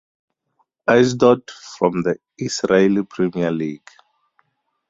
Ashdod from the Israeli Premier League.